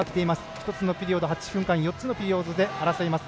１つのピリオド８分間４つのピリオドで争います。